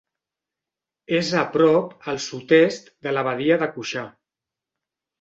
És a prop al sud-est de l'abadia de Cuixà.